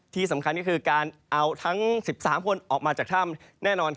ที่สำคัญก็คือการเอาทั้ง๑๓คนออกมาจากถ้ำแน่นอน